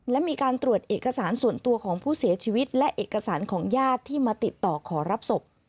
และมีการตรวจเอกสารส่วนตัวของผู้เสียชีวิตและเอกสารของญาติที่มาติดต่อขอรับศพ